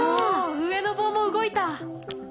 上の棒も動いた。